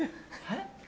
えっ？